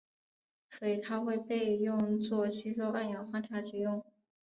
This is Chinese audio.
所以它会被用作吸收二氧化碳之用。